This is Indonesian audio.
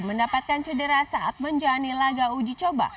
mendapatkan cedera saat menjalani laga uji coba